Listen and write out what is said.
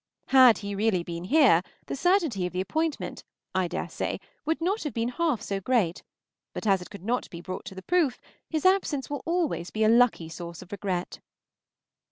Had he been really here, the certainty of the appointment, I dare say, would not have been half so great, but as it could not be brought to the proof, his absence will be always a lucky source of regret.